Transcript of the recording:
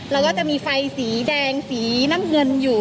แล้วก็จะมีไฟสีแดงสีน้ำเงินอยู่